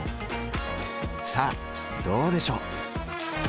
さあどうでしょう？